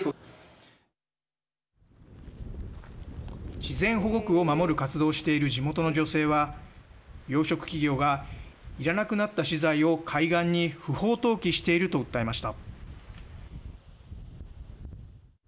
自然保護区を守る活動をしている地元の女性は養殖企業がいらなくなった資材を海岸に不法投棄していると伝えました。